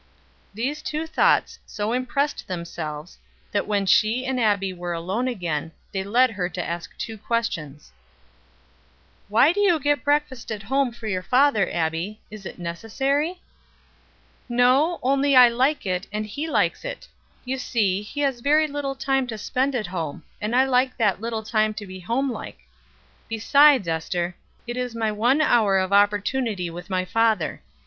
These two thoughts so impressed themselves, that when she and Abbie were alone again, they led her to ask two questions: "Why do you get breakfast at home for your father, Abbie? Is it necessary?" "No; only I like it, and he likes it. You see, he has very little time to spend at home, and I like that little to be homelike; besides, Ester, it is my one hour of opportunity with my father.